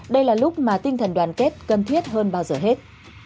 đây là lúc mà tinh thần đoàn kết cần thiết hơn bao giờ hết